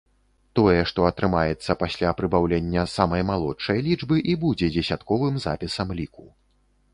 Тое, што атрымаецца пасля прыбаўлення самай малодшай лічбы, і будзе дзесятковым запісам ліку.